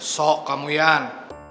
sok kamu ian